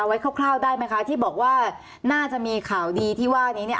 คร่าวได้ไหมคะที่บอกว่าน่าจะมีข่าวดีที่ว่านี้เนี่ย